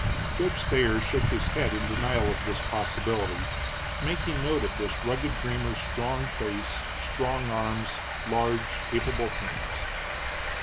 Judge Thayer shook his head in denial of this possibility, making note of this rugged dreamer's strong face, strong arms, large, capable hands.